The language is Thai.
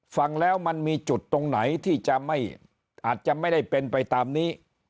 ฟังแล้วมันมีจุดตรงไหนที่จะไม่อาจจะไม่ได้เป็นไปตามนี้